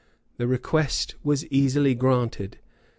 [*] The request was easily granted.